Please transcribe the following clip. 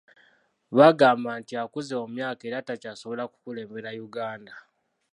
Bagamba nti akuze mu myaka era takyasobola kukulembera Uganda.